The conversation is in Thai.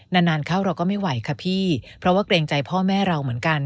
นานนานเข้าเราก็ไม่ไหวค่ะพี่เพราะว่าเกรงใจพ่อแม่เราเหมือนกัน